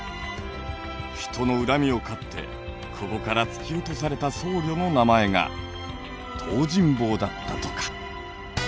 人の恨みを買ってここから突き落とされた僧侶の名前が東尋坊だったとか。